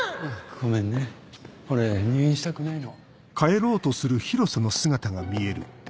ごめんね俺入院したくないの。